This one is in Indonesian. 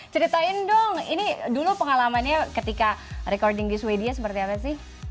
ceritain dong ini dulu pengalamannya ketika recording di sweden seperti apa sih